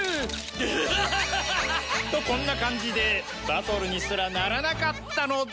ハハハハハハ！とこんな感じでバトルにすらならなかったのだ